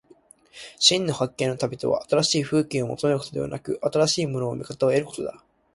真の発見の旅とは、新しい風景を求めることでなく、新しいものの見方を得ることだ。